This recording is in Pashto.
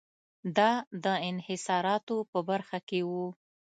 دا د انحصاراتو په برخه کې و.